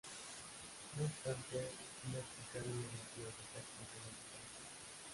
No obstante, no explicaron los motivos exactos de la separación.